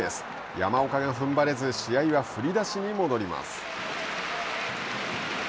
山岡がふんばれず試合は振り出しに戻ります。